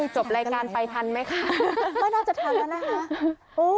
จบรายการไปทันไหมคะไม่น่าจะทันแล้วนะคะ